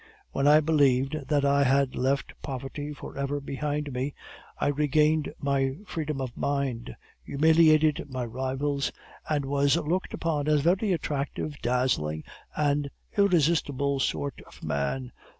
When I believed that I had left poverty for ever behind me, I regained my freedom of mind, humiliated my rivals, and was looked upon as a very attractive, dazzling, and irresistible sort of man.